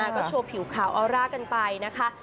ก็โชว์ผิวขาวออร่ากันไปนะคะ